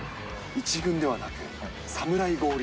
１軍ではなく、侍合流。